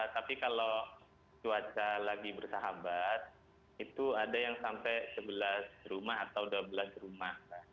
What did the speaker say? tapi kalau cuaca lagi bersahabat itu ada yang sampai sebelas rumah atau dua belas rumah